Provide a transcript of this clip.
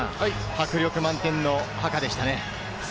迫力満点のハカでしたね。